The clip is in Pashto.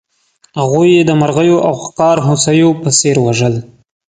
هغوی یې د مرغیو او ښکار هوسیو په څېر وژل.